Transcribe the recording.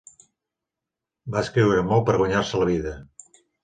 Va escriure molt per guanyar-se la vida.